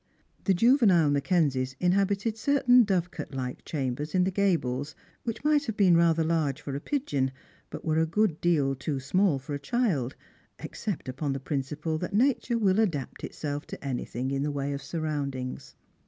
The juvenile Mackenziea inhabited certain dovecot like chambers in the gables, which might have been rather large for a pigeon, but were a good deal too small for a child, except upon the principle that nature will adapt itself to anything in the way of surroundings.